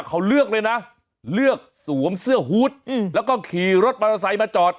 เขาเลือกเลยนะเลือกสวมเสื้อหูดอืมแล้วก็ขี่รถบาราไซส์มาจอด